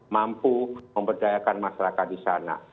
mampu memberdayakan masyarakat di sana